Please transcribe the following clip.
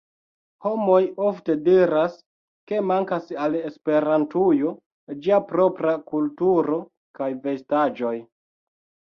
Homoj ofte diras, ke mankas al Esperantujo ĝia propra kulturo kaj vestaĵoj